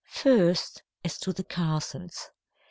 First, as to the castles.